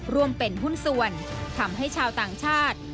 ร่วมเป็นหุ้นส่วนทำให้ชาวต่างชาติ